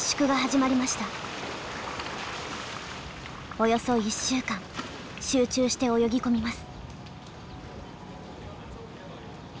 およそ１週間集中して泳ぎ込みます。